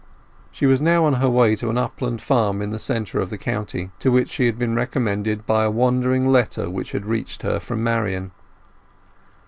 She was now on her way to an upland farm in the centre of the county, to which she had been recommended by a wandering letter which had reached her from Marian.